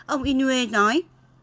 ông inoue nói